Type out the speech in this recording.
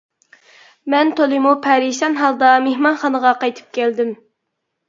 مەن تولىمۇ پەرىشان ھالدا مېھمانخانىغا قايتىپ كەلدىم.